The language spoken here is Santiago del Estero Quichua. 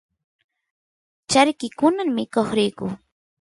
charki kunan mikoq riyku